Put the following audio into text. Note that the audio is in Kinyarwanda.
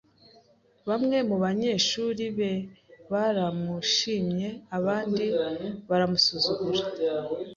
Bamwe mu banyeshuri be baramushimye, abandi baramusuzugura.